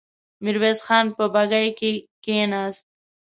ميرويس خان په بګۍ کې کېناست.